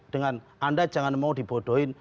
dengan anda jangan mau dibodohin